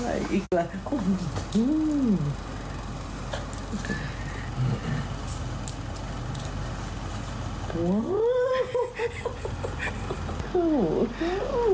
อะไรอีกแล้ว